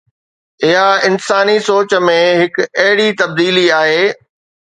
اها انساني سوچ ۾ هڪ اهڙي تبديلي آهي.